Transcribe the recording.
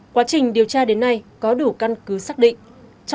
quá trình điều tra đến nay có đủ căn cứ xác định